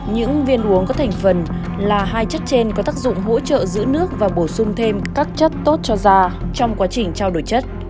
những viên uống có thành phần là hai chất trên có tác dụng hỗ trợ giữ nước và bổ sung thêm các chất tốt cho da trong quá trình trao đổi chất